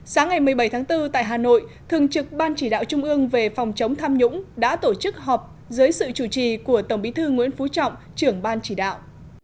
sáng ngày một mươi bảy tháng bốn tại hà nội thường trực ban chỉ đạo trung ương về phòng chống tham nhũng đã tổ chức họp dưới sự chủ trì của tổng bí thư nguyễn phú trọng trưởng ban chỉ đạo